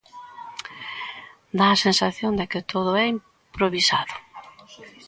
Dá a sensación de que todo é improvisado.